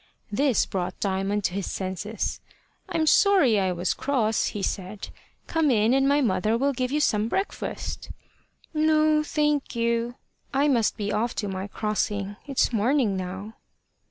This brought Diamond to his senses. "I'm sorry I was cross," he said. "Come in, and my mother will give you some breakfast." "No, thank you. I must be off to my crossing. It's morning now."